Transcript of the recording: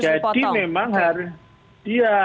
jadi memang harus